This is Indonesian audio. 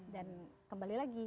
dan kembali lagi